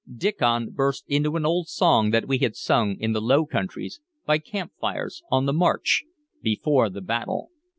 Diccon burst into an old song that we had sung in the Low Countries, by camp fires, on the march, before the battle.